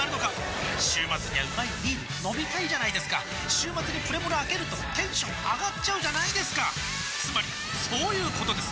週末にはうまいビール飲みたいじゃないですか週末にプレモルあけるとテンション上がっちゃうじゃないですかつまりそういうことです！